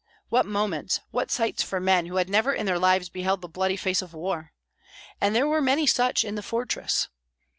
What moments, what sights for men who had never in their lives beheld the bloody face of war! and there were many such in the fortress.